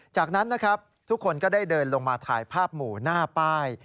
จากนั้นนะครับทุกคนก็ได้เดินลงมาถ่ายภาพหมู่หน้าป้าย